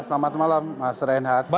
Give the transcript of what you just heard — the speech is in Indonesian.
ya selamat malam mas renhat apa kabar